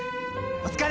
お疲れ！